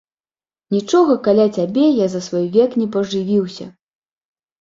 Нічога каля цябе я за свой век не пажывіўся!